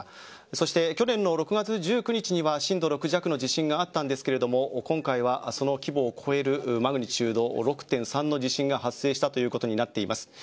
そして、去年の６月１９日には震度６弱の地震があったんですが今回は、その規模を超えるマグニチュード６．３の地震が発生したということになっています。